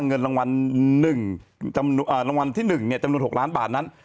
เงินรางวัล๑รางวัลที่๑จำนวน๖ล้านบาทนั้น